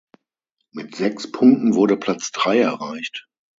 Mit sechs Punkten wurde Platz drei erreicht.